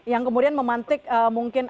yang kemudian memantik mungkin